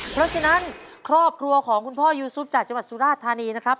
เพราะฉะนั้นครอบครัวของคุณพ่อยูซุปจากจังหวัดสุราชธานีนะครับ